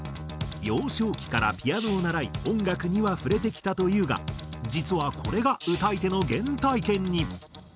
幼少期からピアノを習い音楽には触れてきたというが実はこれが歌い手の原体験に。